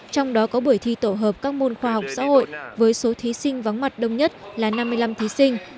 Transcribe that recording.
trong đó có buổi thi tổ hợp các môn khoa học xã hội với số thí sinh vắng mặt đông nhất là năm mươi năm thí sinh